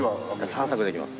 散策できます。